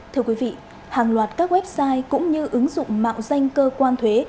thưa quý vị hàng loạt các website cũng như ứng dụng mạo danh cơ quan thuế